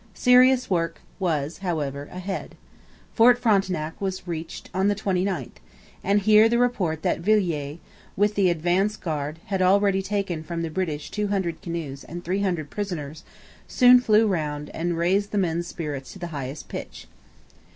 Serious work was, however, ahead. Fort Frontenac was reached on the 29th; and here the report that Villiers, with the advance guard, had already taken from the British 200 canoes and 300 prisoners soon flew round and raised the men's spirits to the highest pitch.